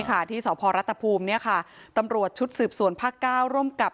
ที่สพรัฐภูมิเนี่ยค่ะตำรวจชุดสืบสวนภาคเก้าร่วมกับ